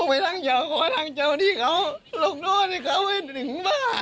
ผมไม่ทักเจ้าเพราะว่าทักเจ้าที่เขาลงโทษเขาไปถึงบ้านแล้ว